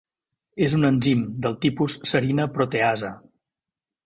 És un enzim, del tipus serina proteasa.